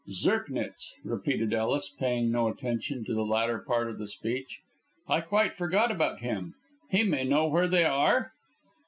"Zirknitz," repeated Ellis, paying no attention to the latter part of this speech. "I quite forgot about him. He may know where they are?"